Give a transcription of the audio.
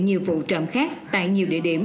nhiều vụ trộm khác tại nhiều địa điểm